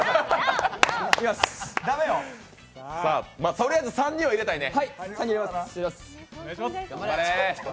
とりあえず３には入れたいね。